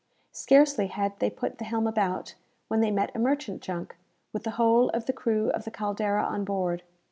Scarcely had they put the helm about, when they met a merchant junk, with the whole of the crew of the "Caldera" on board.